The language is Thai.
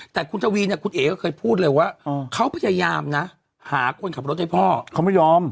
แต่คุณทวีเนี่ยคุณเอ๋ก็เคยพูดเลยว่าเขาพยายามนะหาคนขับรถให้พ่อเขาไม่ยอม